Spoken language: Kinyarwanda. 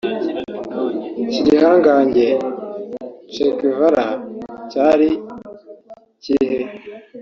Iki gihangage Che Guevarra cyari kirihe